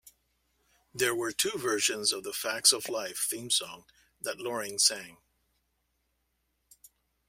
There were two versions of the "Facts of Life" theme song that Loring sang.